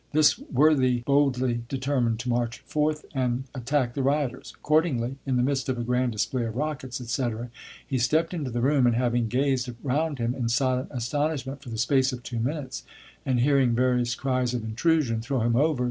This worthy boldly determined to march forth and attack the 'rioters.' Accordingly, in the midst of a grand display of rockets, etc., he stepped into the room, and, having gazed round him in silent astonishment for the space of two minutes, and hearing various cries of 'Intrusion!' 'Throw him over!'